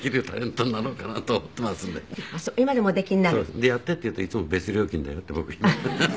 でやってって言うといつも「別料金だよ」って僕言います。